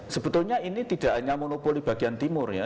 sebetulnya ini tidak hanya monopoli bagian timur ya